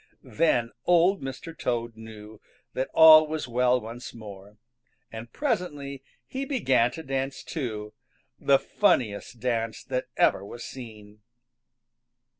Then Old Mr. Toad knew that all was well once more, and presently he began to dance too, the funniest dance that ever was seen.